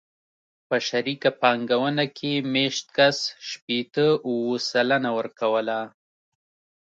په شریکه پانګونه کې مېشت کس شپېته اووه سلنه ورکوله.